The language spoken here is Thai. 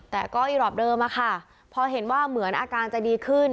แต่ก็อีรอปเดิมอะค่ะพอเห็นว่าเหมือนอาการจะดีขึ้น